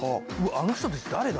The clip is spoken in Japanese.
あの人たち誰だ？